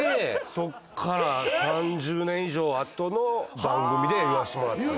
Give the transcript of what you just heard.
そっから３０年以上後の番組で言わしてもらって。